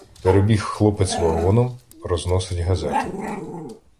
Перебіг хлопець вагоном — розносить газети.